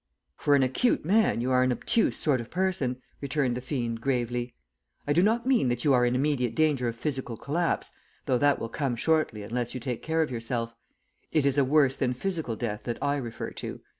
"For an acute man you are an obtuse sort of a person," returned the fiend, gravely. "I do not mean that you are in immediate danger of physical collapse, though that will come shortly unless you take care of yourself. It is a worse than physical death that I refer to.